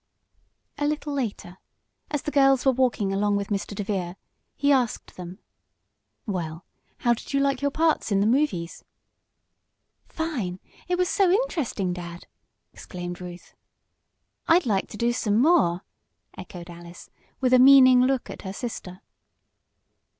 A little later, as the girls were walking along with Mr. DeVere, he asked them: "Well, how did you like your parts in the movies?" "Fine. It was so interesting, Dad!" exclaimed Ruth. "I'd like to do some more!" echoed Alice, with a meaning look at her sister.